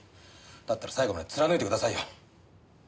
だったら最後まで貫いてくださいよ。